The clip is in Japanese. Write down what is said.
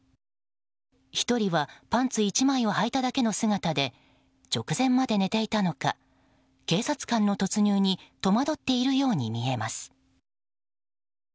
１人はパンツ１枚をはいただけの姿で直前まで寝ていたのか警察官の突入に戸惑っているように見えます。